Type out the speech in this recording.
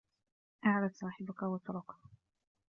اعرف صاحبك واتركه